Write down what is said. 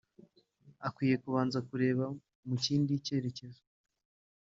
ukwiye kubanza kureba mu kindi cyerekezo